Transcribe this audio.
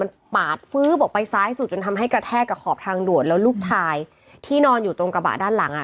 มันปาดฟื้อออกไปซ้ายสุดจนทำให้กระแทกกับขอบทางด่วนแล้วลูกชายที่นอนอยู่ตรงกระบะด้านหลังอ่ะ